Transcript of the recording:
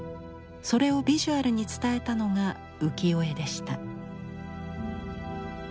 それをビジュアルに伝えたのが浮世絵でした。